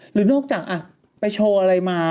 หรือนอกจากไปโชว์อะไรมา